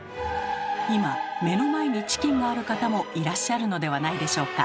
今目の前にチキンがある方もいらっしゃるのではないでしょうか？